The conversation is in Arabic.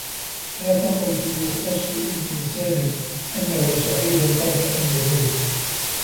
لا تقل في وصف أي إنسان أنه سعيد قبل أن يموت.